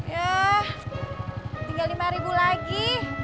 ya tinggal lima ribu lagi